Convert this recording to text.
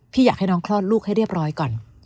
อยากให้น้องคลอดลูกให้เรียบร้อยก่อน